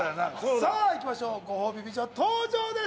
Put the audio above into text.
さあいきましょうご褒美美女登場です！